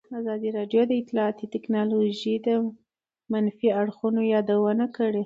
ازادي راډیو د اطلاعاتی تکنالوژي د منفي اړخونو یادونه کړې.